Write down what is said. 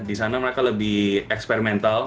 disana mereka lebih eksperimental